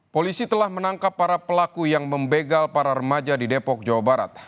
polisi telah menangkap para pelaku yang membegal para remaja di depok jawa barat